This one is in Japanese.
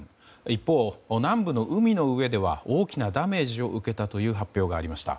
一方、南部の海の上では大きなダメージを受けたという発表がありました。